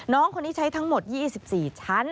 น้องคนนี้ใช้ทั้งหมด๒๔ชั้น